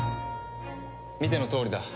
見てのとおりだ。